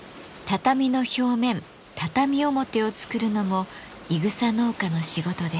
畳表を作るのもいぐさ農家の仕事です。